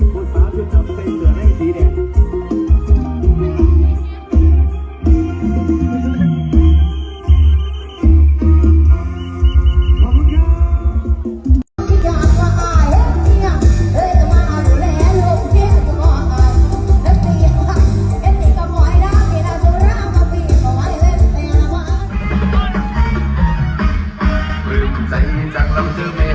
หน้าตาจังแล้วเจอเมฆาะมนุษย์ติ๊มใจ